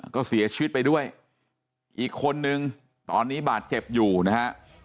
ก็เสียชีวิตไปด้วยอีกคนนึงตอนนี้บาดเจ็บอยู่นะฮะ